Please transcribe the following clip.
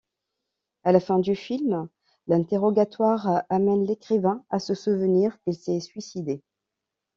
À la fin du film, l'interrogatoire amène l'écrivain à se souvenir qu'il s'est suicidé.